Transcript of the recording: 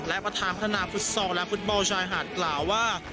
และประธานพัฒนาฟุตซอลและฟุตบอลชายหาดกล่าวว่า